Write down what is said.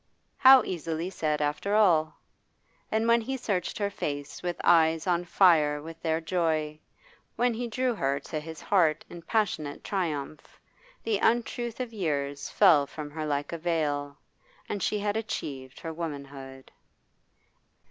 How easily said after all! And when he searched her face with eyes on fire with their joy, when he drew her to his heart in passionate triumph, the untruth of years fell from her like a veil, and she had achieved her womanhood.